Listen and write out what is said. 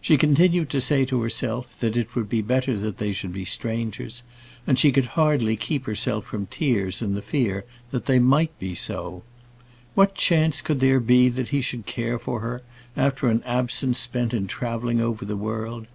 She continued to say to herself, that it would be better that they should be strangers; and she could hardly keep herself from tears in the fear that they might be so. What chance could there be that he should care for her, after an absence spent in travelling over the world?